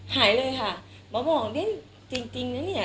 หายเลยค่ะหมอบอกฉันแป๊บนี้จริงเนี่ย